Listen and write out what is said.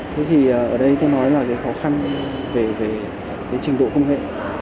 thế thì ở đây tôi nói là cái khó khăn về cái trình độ công nghệ